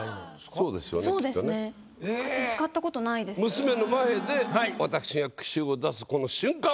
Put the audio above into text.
娘の前で私が句集を出すこの瞬間を。